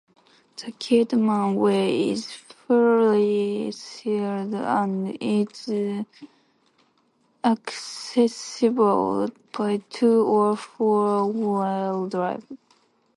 The Kidman Way is fully sealed and is accessible by two or four-wheel drive.